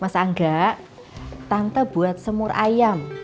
mas angga tante buat semur ayam